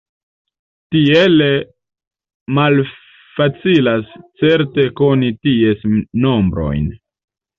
Tiele malfacilas certe koni ties nombrojn.